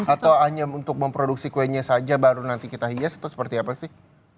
atau hanya untuk memproduksi kuenya saja baru nanti kita hias atau seperti apa sih